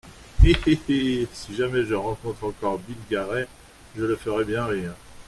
Hi ! hi ! hi ! Si jamais je rencontre encore Bill Garey, je le ferai bien rire.